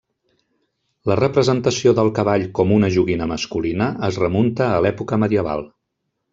La representació del cavall com una joguina masculina es remunta a l'època medieval.